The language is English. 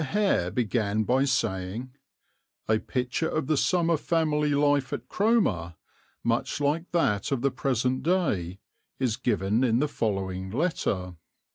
Hare began by saying, "A picture of the summer family life at Cromer, much like that of the present day, is given in the following letter."